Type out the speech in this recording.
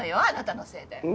あなたのせいで。